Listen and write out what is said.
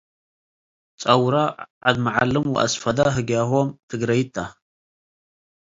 ጸውረ፣ ዐድ-መዐልም ወአስፈደ ህግያሆም ትግረይት ተ ።